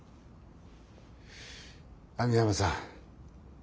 網浜さん